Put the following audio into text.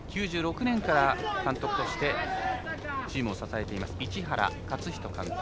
９６年から監督としてチームを支えています市原勝人監督。